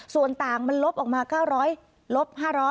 ส่วนต่างมันลบออกมา๙๐๐ลบ๕๐๐